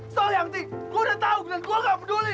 soalnya minta gue udah tau dan gue gak peduli